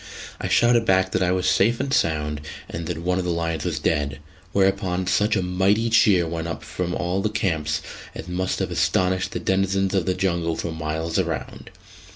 I shouted back that I was safe and sound, and that one of the lions was dead: whereupon such a mighty cheer went up from all the camps as must have astonished the denizens of the jungle for miles around.